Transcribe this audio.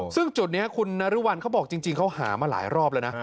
ซึ่งจุดนี้คุณนรุวัลเขาบอกจริงเขาหามาหลายรอบแล้วนะ